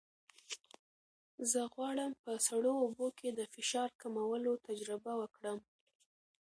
زه غواړم په سړو اوبو کې د فشار کمولو تجربه وکړم.